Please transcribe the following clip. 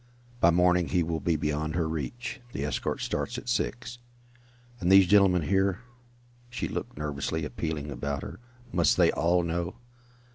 "By morning he will be beyond her reach. The escort starts at six." "And these gentlemen here " She looked nervously, appealingly about her. "Must they all know?"